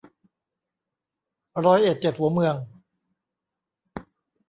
ร้อยเอ็ดเจ็ดหัวเมือง